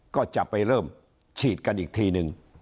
ก็จะไปเริ่มฉีดกันอีกทีนึง